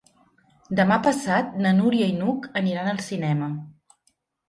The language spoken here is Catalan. Demà passat na Núria i n'Hug aniran al cinema.